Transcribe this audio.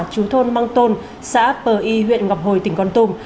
chú thôn mang tôn xã pờ y huyện ngọc hồi tỉnh con tùng